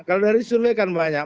kalau dari survei kan banyak